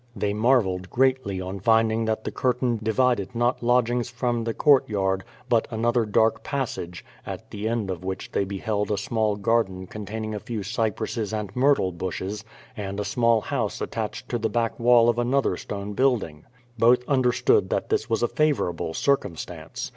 They marvelled greatly on finding that the curtain divided not lodgings from the courtyard, but another dark passage, at the end of which they beheld a small garden con taining a few cypresses and myrtle bushes, and a small house attached to the back wall of another stone building. Both understood that this was a favorable circumstance.